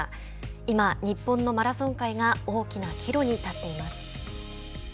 今、日本のマラソン界が大きな岐路に立っています。